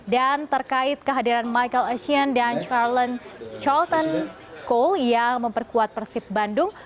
dan terkait kehadiran michael oceane dan charlton cole yang memperkuat persib bandung